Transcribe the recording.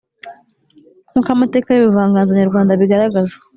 nkuko amateka y’ubuvanganzo nyarwanda abigaragaza,